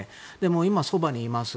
今、そばにいます。